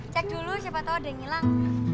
cek dulu siapa tau ada yang hilang